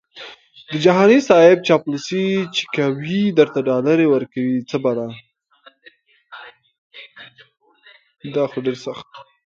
د جهاني صیب چاپلوسي چې کوي درته ډالري ورکوي څه بلا🤑🤣